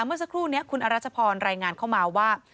เมื่อสักครู่นี้คุณอรัชพรรายงานเข้ามาว่า